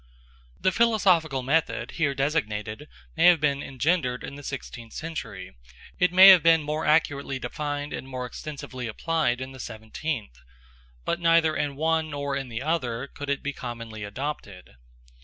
The philosophical method here designated may have been engendered in the sixteenth century it may have been more accurately defined and more extensively applied in the seventeenth; but neither in the one nor in the other could it be commonly adopted.